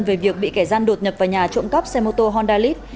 về việc bị kẻ gian đột nhập vào nhà trộm cắp xe mô tô honda leaf